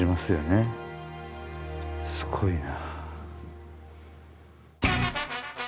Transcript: すごいな。